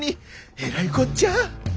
えらいこっちゃ。